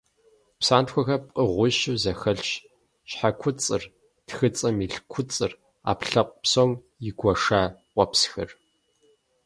Псантхуэхэр пкъыгъуищу зэхэлъщ: щхьэкуцӏыр, тхыцӏэм илъ куцӏыр, ӏэпкълъэпкъ псом игуэша къуэпсхэр.